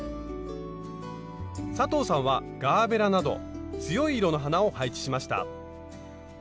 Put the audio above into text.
佐藤さんはガーベラなど強い色の花を配置しました。